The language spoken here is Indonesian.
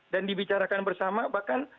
dan dibicarakan bersama bahkan